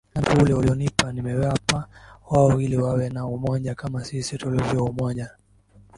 Nami utukufu ule ulionipa nimewapa wao ili wawe na umoja kama sisi tulivyo umoja